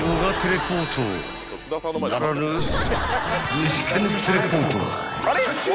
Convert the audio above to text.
具志堅テレポート？